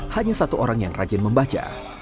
hanya satu orang yang rajin membaca